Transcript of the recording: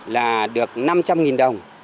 là được năm trăm linh đồng